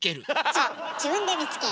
そう自分で見つける。